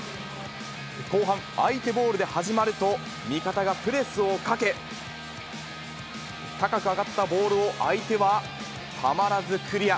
後半、相手ボールで始まると、味方がプレスをかけ、高く上がったボールを相手はたまらずクリア。